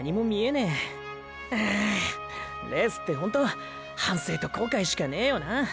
ああレースってホント反省と後悔しかねーよな。